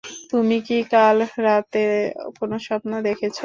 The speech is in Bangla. তুমি কি কাল রাতে কোনো স্বপ্ন দেখেছ?